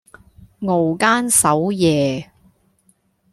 熬更守夜